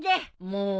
もう。